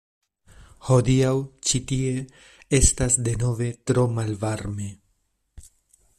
Hodiaŭ ĉi tie estas denove tro malvarme.